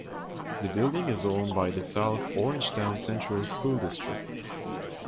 The building is owned by the South Orangetown Central School District.